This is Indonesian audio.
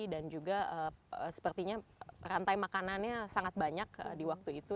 dan juga sepertinya rantai makanannya sangat banyak di waktu itu